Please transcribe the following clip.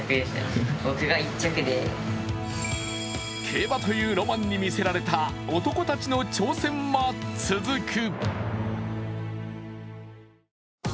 競馬というロマンに魅せられた男たちの挑戦は続く。